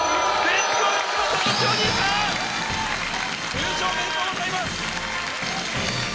優勝おめでとうございます！